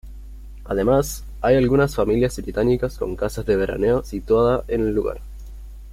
Además, hay algunas familias británicas con casas de veraneo situada en el lugar.